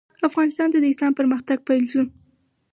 افغانستان ته د اسلام پرمختګ پیل شو.